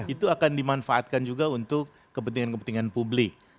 itu akan dimanfaatkan juga untuk kepentingan kepentingan publik